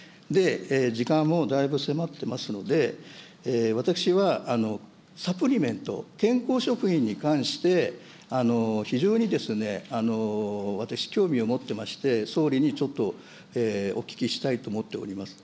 時間もだいぶ迫ってますので、私はサプリメント、健康食品に関して、非常に私、興味を持ってまして、総理にちょっとお聞きしたいと思っております。